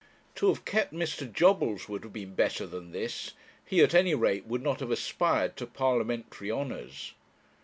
To have kept Mr. Jobbles would have been better than this; he, at any rate, would not have aspired to parliamentary honours.